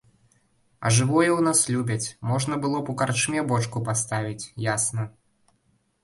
А жывое ў нас любяць, можна было б у карчме бочку паставіць, ясна.